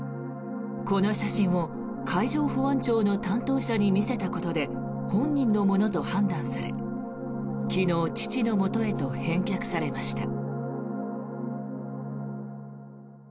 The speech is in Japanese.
この写真を海上保安庁の担当者に見せたことで本人のものと判断され昨日、父のもとへと返却されました。